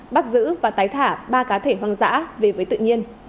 bắt giữ và tái thả ba cá thể hoang dã về với tự nhiên